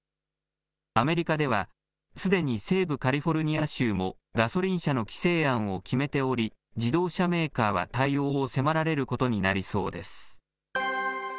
アメリカでは、すでに西部カリフォルニア州も、ガソリン車の規制案を決めており、自動車メーカーは対応を迫られることになりそうです。